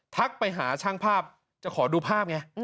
ทักไปหาช่างภาพจะขอดูภาพไง